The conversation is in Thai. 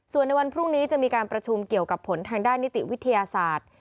ส่วนในวันพรุ่งนี้จะมีการประชุมเกี่ยวกับผลทางด้านนิติวิทยาศาสตร์